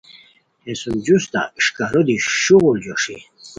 ہے سُم جوستہ اݰکارو دی شغل جوݰی